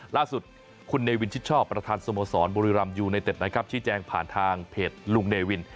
ล่าสุดคุณเนวินชิดชอบประธานสโมสรบุรีรำยูไนเต็ดนะครับชี้แจงผ่านทางเพจลุงเนวิน